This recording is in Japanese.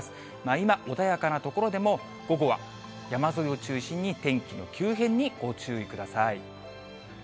今、穏やかな所でも、午後は山沿いを中心に天気の急変にご注意ください。